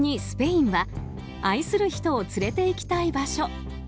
スペインは愛する人を連れていきたい場所。